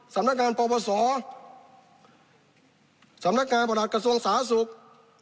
สำนักงานประวัติศาสตร์สำนักงานประหลาดกระทรวงสาศุกร์